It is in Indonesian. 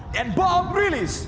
dan bom rilis